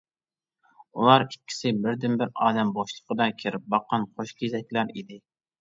ئۇلار ئىككىسى بىردىنبىر ئالەم بوشلۇقىدا كىرىپ باققان قوشكېزەكلەر ئىدى.